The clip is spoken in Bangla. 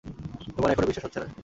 তোমার এখনো বিশ্বাস হচ্ছে না?